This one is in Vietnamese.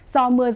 do mưa rông